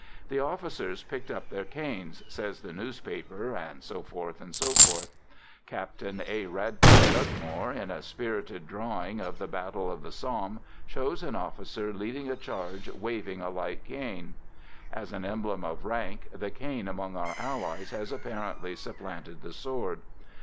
"The officers picked up their canes," says the newspaper, and so forth, and so forth. Captain A. Radclyffe Dugmore, in a spirited drawing of the Battle of the Somme, shows an officer leading a charge waving a light cane. As an emblem of rank the cane among our Allies has apparently supplanted the sword.